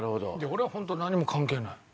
俺はホント何も関係ない。